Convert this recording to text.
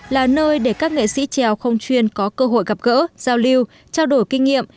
là nơi để các nghệ sĩ trèo không chuyên có cơ hội gặp gỡ giao lưu trao đổi kinh nghiệm